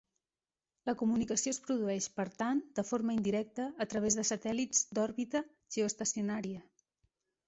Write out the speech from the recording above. La comunicació es produeix per tant de forma indirecta a través de satèl·lits d'òrbita geoestacionària.